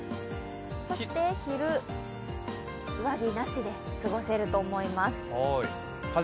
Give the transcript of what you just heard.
そして昼、上着なしで過ごせると思います。